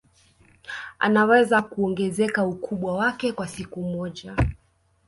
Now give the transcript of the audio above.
anaweza kuongezeka ukubwa wake kwa siku moja